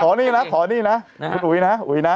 นี่นะขอนี่นะคุณอุ๋ยนะอุ๋ยนะ